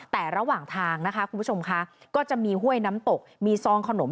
แต่ระหว่างทางนะคะคุณผู้ชมค่ะก็จะมีห้วยน้ำตกมีซองขนม